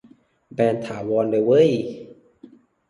แบนถาวรเลยเว้ย